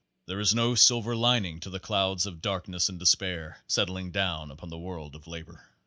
There is no silver lin ing to the clouds of darkness and despair settling down upon the world of labor.